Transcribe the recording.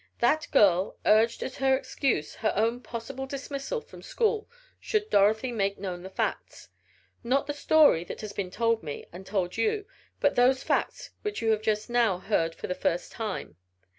That girl urged as her excuse her own possible dismissal from school should Dorothy make known the facts, not the story that has been told me, and told you, but those facts which you have just now heard for the first time.